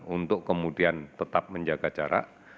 untuk kemudian tetap menjaga jarak